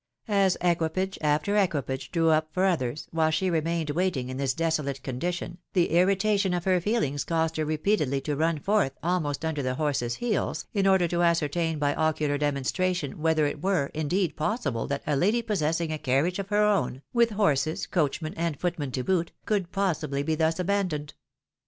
As equipage after equipage drew up for others, while she remained waiting in this desolate condition, the irritation of her feehngs caused her repeatedly to run forth almost under the horses' heels, in order to ascertain by ocular demonstration whether it were, indeed, possible that a lady possessing a carriage of her own, vrith horses, coachman, and footman to boot, could possibly be thus abandoned.